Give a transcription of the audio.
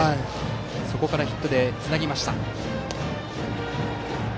そこからヒットでつなぎました。